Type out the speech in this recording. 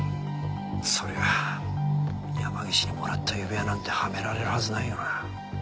そりゃあ山岸にもらった指輪なんてはめられるはずないよな。